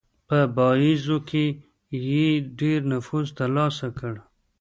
په باییزو کې یې ډېر نفوذ ترلاسه کړ.